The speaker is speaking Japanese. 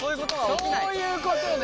そういうことね。